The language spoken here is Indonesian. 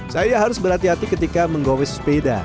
saya harus berhati hati ketika menggowes sepeda